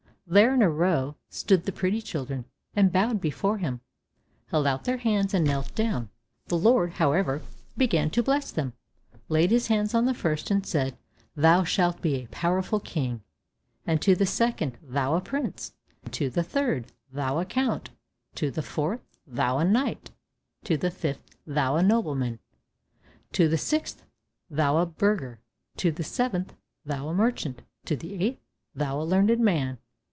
There, in a row, stood the pretty children, and bowed before him, held out their hands, and knelt down. The Lord, however, began to bless them, laid his hands on the first, and said, "Thou shalt be a powerful king;" and to the second, "Thou a prince," to the third, "Thou a count," to the fourth, "Thou a knight," to the fifth, "Thou a nobleman," to the sixth, "Thou a burgher," to the seventh, "Thou a merchant," to the eighth, "Thou a learned man."